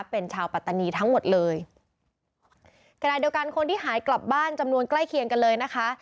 เป็นชาวปัตตานีทั้งหมดเลยขณะเดียวกันคนที่หายกลับบ้านจำนวนใกล้เคียงกันเลยนะคะ